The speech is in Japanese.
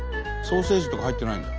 ソーセージとか入ってないんだ。